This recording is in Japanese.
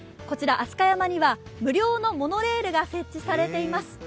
飛鳥山には無料のモノレールが設置されています。